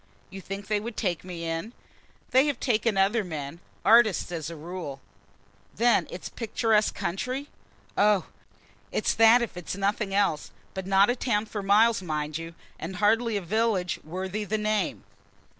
"You think they would take me in?" "They have taken other men artists as a rule." "Then it's a picturesque country?" "Oh, it's that if it's nothing else; but not a town for miles, mind you, and hardly a village worthy the name."